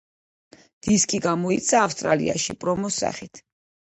დისკი გამოიცა ავსტრალიაში, პრომოს სახით.